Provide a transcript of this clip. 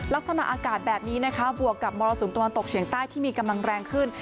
ลักษณะอากาศแบบนี้นะคะบวกกับมรสุมตะวันตกเฉียงใต้ที่มีกำลังแรงขึ้น